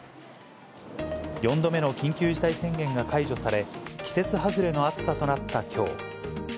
４度目の緊急事態宣言が解除され、季節外れの暑さとなったきょう。